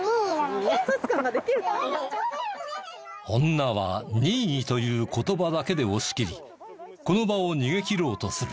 女は「任意」という言葉だけで押しきりこの場を逃げきろうとする。